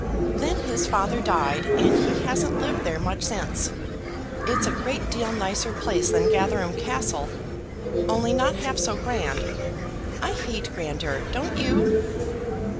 Then his father died, and he hasn't lived there much since. It's a great deal nicer place than Gatherum Castle, only not half so grand. I hate grandeur; don't you?"